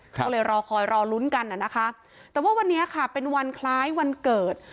ก็เลยรอคอยรอลุ้นกันนะคะแต่ว่าวันนี้ค่ะเป็นวันคล้ายวันเกิด